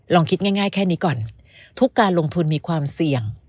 ลองคิดง่ายแค่นี้ก่อนทุกการลงทุนมีความเสี่ยง